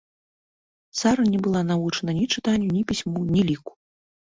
Сара не была навучаная ні чытанню, ні пісьму, ні ліку.